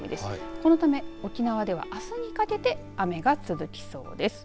このため、沖縄ではあすにかけて雨が続きそうです。